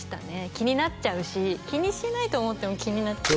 気になっちゃうし気にしないと思っても気になっちゃう